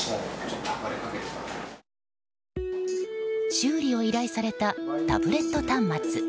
修理を依頼されたタブレット端末。